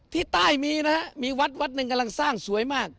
ที่ใต้มีนะฮะมีวัดวัดหนึ่งกำลังสร้างสวยมาก